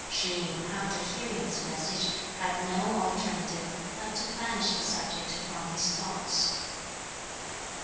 Shih yin after hearing this message had no alternative but to banish the subject from his thoughts.